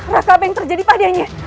raka beng terjadi padanya